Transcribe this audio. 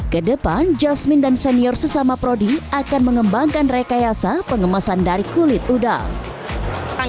kedepan jasmine dan senior sesama prodi akan mengembangkan rekayasa pengemasan dari kulit udang